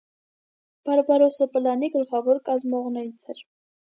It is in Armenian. Բարբարոսա պլանի գլխավոր կազմողներից էր։